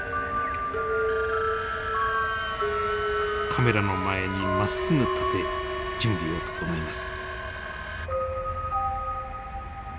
カメラの前にまっすぐ立て準備を整えます。